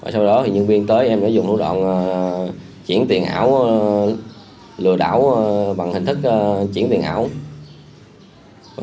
sau đó thì nhân viên tới em đã dùng thủ đoạn chuyển tiền ảo lừa đảo bằng hình thức chuyển tiền ảo